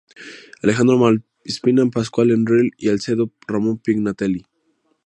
Alejandro Malaspina, Pascual Enrile y Alcedo, Ramón Pignatelli.